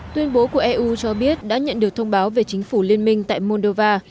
tuyên bố của eu cho biết đã nhận được thông báo về chính phủ liên minh tại moldova